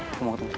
aku mau tunggu